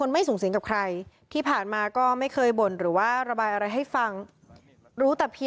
อยู่ข้างบ้านกันมานี่